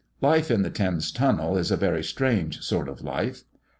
Life in the Thames Tunnel is a very strange sort of life.